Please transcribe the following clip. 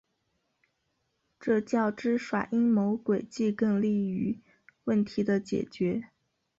这较之耍阴谋诡计更有利于问题的解决。